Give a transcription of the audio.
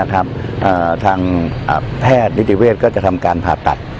ทางแพทย์นิติเวศก็จะทำการผ่าตัด